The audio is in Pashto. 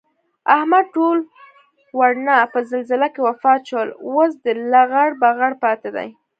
احمد ټول ورڼه په زلزله کې وفات شول. اوس دی لغړ پغړ پاتې دی